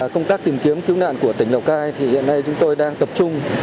công tác tìm kiếm cứu nạn của tỉnh lào cai thì hiện nay chúng tôi đang tập trung